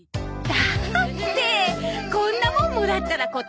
だってえこんなもんもらったら断れないわよ。